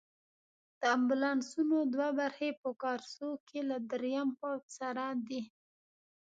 د امبولانسونو دوه برخې په کارسو کې له دریم پوځ سره دي.